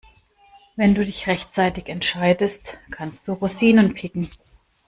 Wenn du dich rechtzeitig entscheidest, kannst du Rosinen picken.